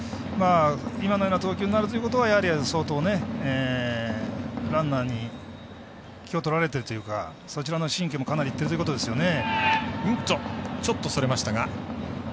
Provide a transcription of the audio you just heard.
今のような投球になるということは相当、ランナーに気をとられているというかそちらの神経もかなりいってるということですね。